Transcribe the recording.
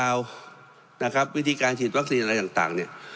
แล้วก็เอาพูดแล้ววิธีการฉีดวัคซีนอะไรต่าง